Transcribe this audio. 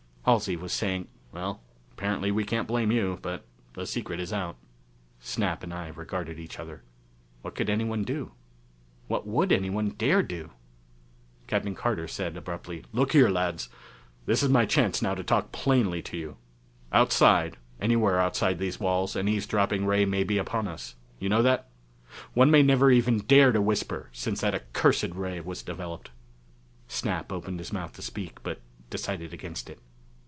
Halsey was saying, "Well, apparently we can't blame you: but the secret is out." Snap and I regarded each other. What could anyone do? What would anyone dare do? Captain Carter said abruptly, "Look here, lads, this is my chance now to talk plainly to you. Outside, anywhere outside these walls, an eavesdropping ray may be upon us. You know that? One may never even dare to whisper since that accursed ray was developed." Snap opened his mouth to speak but decided against it.